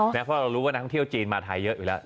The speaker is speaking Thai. เพราะเรารู้ว่านักท่องเที่ยวจีนมาไทยเยอะอยู่แล้ว